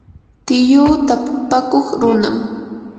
tiyuu tapupakuq runam.